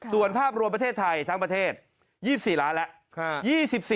ส่วนภาพรวมประเทศไทยทั้งประเทศ๒๔ล้านแล้ว